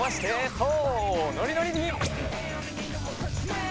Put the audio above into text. そうノリノリに。